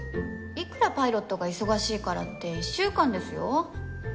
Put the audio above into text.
いくらパイロットが忙しいからって１週間ですよ。